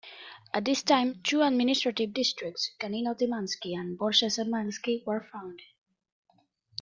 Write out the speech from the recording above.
At this time, two administrative districts, Canino-Timansky and Bolshezemelsky were founded.